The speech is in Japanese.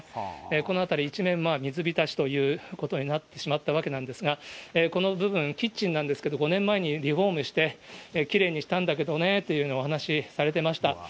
この辺り一面、水浸しということになってしまったわけなんですが、この部分、キッチンなんですけれども、５年前にリフォームして、きれいにしたんですけどねというお話しされてました。